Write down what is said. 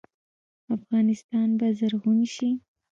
افغانستان به زرغون شي؟